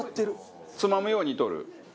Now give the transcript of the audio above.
つまむように取る。